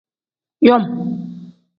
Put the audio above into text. Yom.